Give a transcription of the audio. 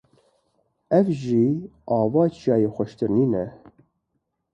Ev ji ava çiyayî xweştir nîne.